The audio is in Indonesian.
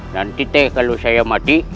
nanti kalau aku mati